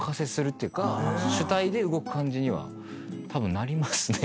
主体で動く感じにはたぶんなりますね。